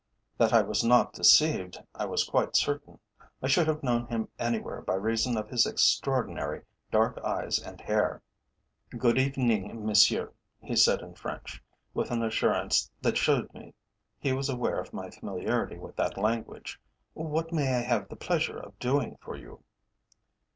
That I was not deceived I was quite certain. I should have known him anywhere by reason of his extraordinary dark eyes and hair. "Good afternoon, monsieur," he said in French, with an assurance that showed me he was aware of my familiarity with that language. "What may I have the pleasure of doing for you?"